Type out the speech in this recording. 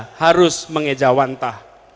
pancasila harus mengejawantah